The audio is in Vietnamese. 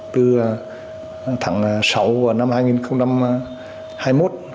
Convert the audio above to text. từ tháng sáu năm hai nghìn hai mươi một